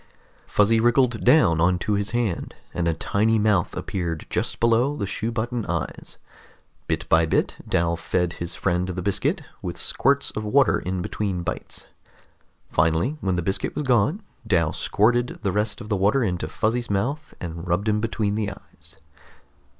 Fuzzy wriggled down onto his hand, and a tiny mouth appeared just below the shoe button eyes. Bit by bit Dal fed his friend the biscuit, with squirts of water in between bites. Finally, when the biscuit was gone, Dal squirted the rest of the water into Fuzzy's mouth and rubbed him between the eyes.